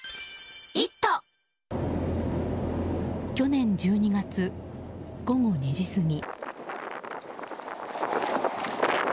去年１２月、午後２時過ぎ。